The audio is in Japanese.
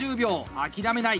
諦めない！